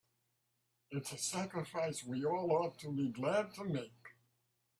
It's a sacrifice we all ought to be glad to make.